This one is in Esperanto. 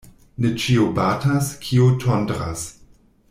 Ne ĉio batas, kio tondras.